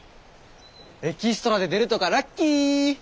エキストラで出るとかラッキー。